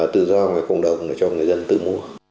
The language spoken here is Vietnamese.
tự do về cộng đồng để cho người dân tự mua